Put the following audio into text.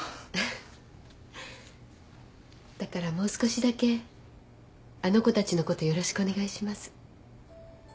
だからもう少しだけあの子たちのことよろしくお願いします。